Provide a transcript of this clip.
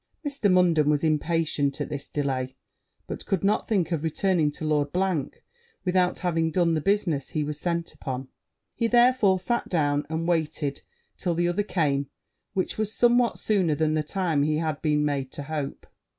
Mr. Munden was impatient at this delay, but could not think of returning to Lord without having done the business he was sent upon: he therefore sat down, and waited till the other came, which was somewhat sooner than the time he had been made to hope.